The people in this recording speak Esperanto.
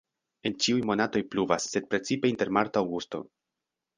En ĉiuj monatoj pluvas, sed precipe inter marto-aŭgusto.